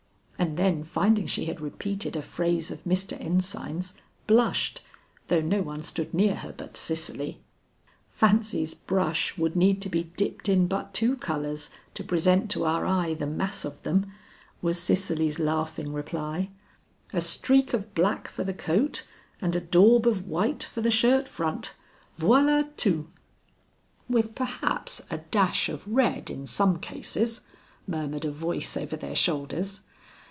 And then finding she had repeated a phrase of Mr. Ensign's, blushed, though no one stood near her but Cicely. "Fancy's brush would need to be dipped in but two colors to present to our eye the mass of them," was Cicely's laughing reply. "A streak of black for the coat, and a daub of white for the shirt front. Voila tout." "With perhaps a dash of red in some cases," murmured a voice over their shoulders.